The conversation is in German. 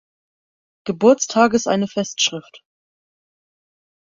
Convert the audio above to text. Geburtstages eine Festschrift.